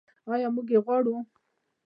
آیا موږ یې غواړو؟